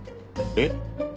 えっ？